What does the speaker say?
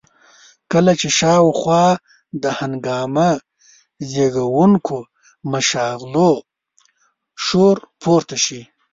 کله چې شاوخوا د هنګامه زېږوونکو مشاغلو شور پورته شي.